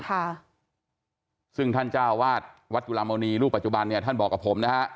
ค่ะซึ่งท่านเจ้าวาดวัดจุลามณีลูกปัจจุบันเนี่ยท่านบอกกับผมนะฮะ